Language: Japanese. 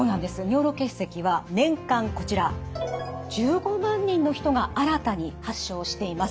尿路結石は年間こちら１５万人の人が新たに発症しています。